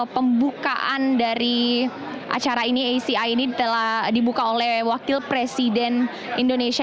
pembukaan dari acara ini aci ini telah dibuka oleh wakil presiden indonesia